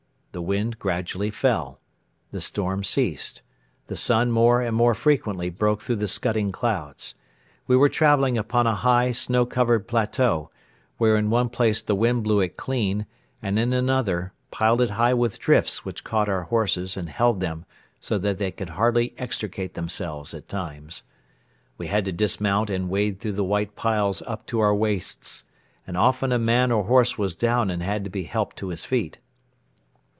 The wind gradually fell. The storm ceased. The sun more and more frequently broke through the scudding clouds. We were traveling upon a high, snow covered plateau, where in one place the wind blew it clean and in another piled it high with drifts which caught our horses and held them so that they could hardly extricate themselves at times. We had to dismount and wade through the white piles up to our waists and often a man or horse was down and had to be helped to his feet.